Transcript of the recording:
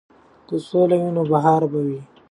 که سوله وي نو بهار وي.